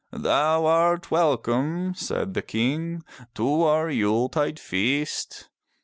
Thou art welcome/* said the King, to our Yule tide feast."